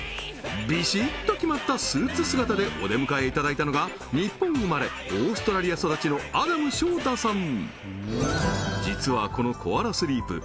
ビシッと決まったスーツ姿でお出迎えいただいたのが日本生まれオーストラリア育ちのアダム翔太さん